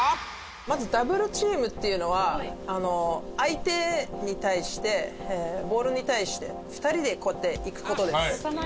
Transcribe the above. まずダブルチームっていうのは相手に対してボールに対して２人でこうやっていく事です。